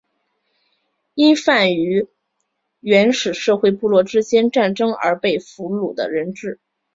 囚犯源于原始社会部落之间战争而被俘虏的人质。